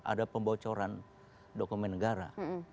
ada pembocoran dokumen negara